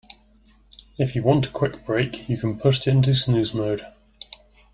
If you want a quick break you can put it into snooze mode.